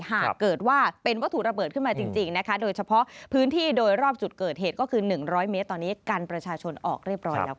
หากเกิดว่าเป็นวัตถุระเบิดขึ้นมาจริงนะคะโดยเฉพาะพื้นที่โดยรอบจุดเกิดเหตุก็คือ๑๐๐เมตรตอนนี้กันประชาชนออกเรียบร้อยแล้ว